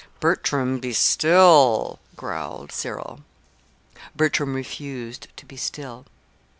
"Bertram, be still," growled Cyril. Bertram refused to be still.